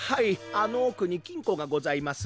あのおくにきんこがございます。